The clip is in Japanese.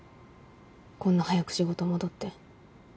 こんな早く仕事戻って。